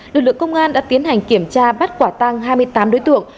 lực lượng công an đã tiến hành kiểm tra bắt quả tăng hai mươi tám đối tượng